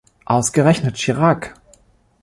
Ausgerechnet Chirac!